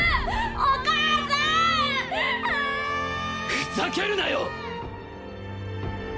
お母さんうわあん！ふざけるなよ！